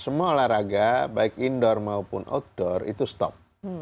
semua olahraga baik indoor maupun outdoor itu stop